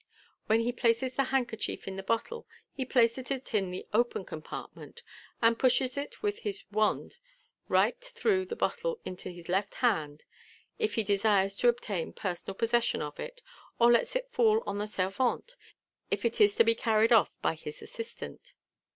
JVhen he places the handkerchief in the bottle, he places it in the open compartment, and pushes it with his wand right through the bottle into his left hand, if he desires to obtain personal possession of it, or lets it fall on the servante, if it is to be carried off by his assistant.